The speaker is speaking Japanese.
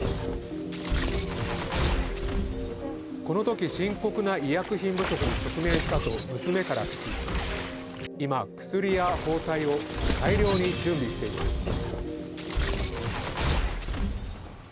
この時、深刻な医薬品不足に直面したと娘から聞き今、薬や包帯を大量に準備しています。